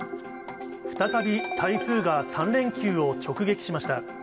再び台風が３連休を直撃しました。